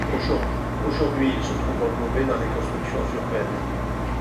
Aujourd'hui il se trouve englobé dans les constructions urbaines.